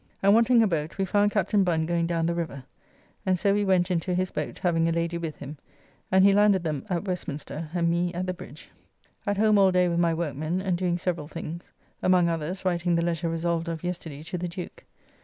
And wanting a boat, we found Captain Bun going down the river, and so we went into his boat having a lady with him, and he landed them at Westminster and me at the Bridge. At home all day with my workmen, and doing several things, among others writing the letter resolved of yesterday to the Duke.